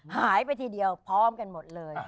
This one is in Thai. หายไปทีเดียวพร้อมกันหมดเลย